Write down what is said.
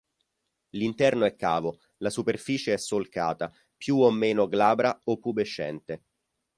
L'interno è cavo, la superficie è solcata, più o meno glabra o pubescente.